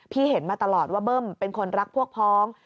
เห็นมาตลอดว่าเบิ้มเป็นคนรักพวกพ้อง